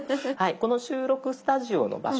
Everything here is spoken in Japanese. この収録スタジオの場所